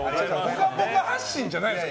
「ぽかぽか」発信じゃないでしょ。